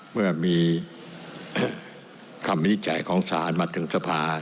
เมื่อมีคำวินิจฉัยของศาลมาถึงสภา